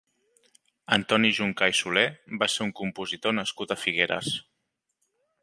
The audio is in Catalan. Antoni Juncà i Soler va ser un compositor nascut a Figueres.